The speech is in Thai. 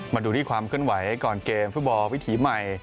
มาดูที่ความเคลื่อนไหวก่อนเกมฟุตบอลวิถีใหม่